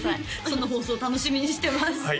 その放送楽しみにしてます